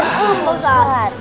enggak usah ustadz